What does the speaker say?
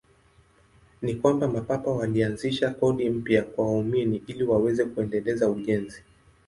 Ni kwamba Mapapa walianzisha kodi mpya kwa waumini ili waweze kuendeleza ujenzi.